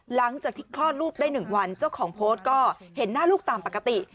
หลังจากที่คลอดลูกได้๑วันเจ้าของโพสต์ก็เห็นหน้าลูกตามปกติ